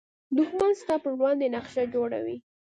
دښمن ستا پر وړاندې نقشه جوړوي